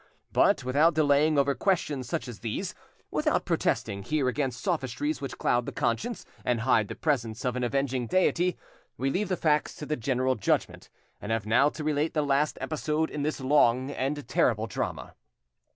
But without delaying over questions such as these, without protesting here against sophistries which cloud the conscience and hide the presence of an avenging Deity, we leave the facts to the general judgment, and have now to relate the last episode in this long and terrible drama.